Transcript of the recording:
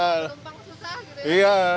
penumpang susah gitu ya